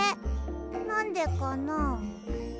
なんでかな？